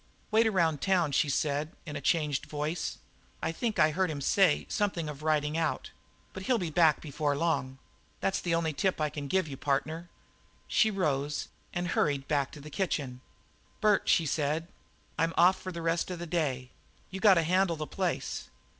"Wait around town," she said in a changed voice. "I think I heard him say something of riding out, but he'll be back before long. That's the only tip I can give you, partner." So she rose and hurried back to the kitchen. "Bert," she said, "I'm off for the rest of the day. You got to handle the place."